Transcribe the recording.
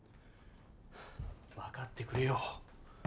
分かってくれよ。